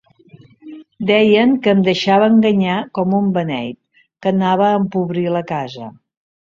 Deien que em deixava enganyar com un beneït; que anava a empobrir la casa.